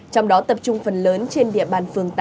trong đó tập trung phần lớn trên địa bàn phường tám